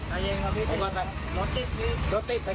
มึงผิดแล้วมึงผิดแล้ว